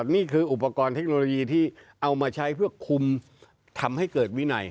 นี่คืออุปกรณ์เทคโนโลยีที่เอามาใช้เพื่อคุมทำให้เกิดวินัย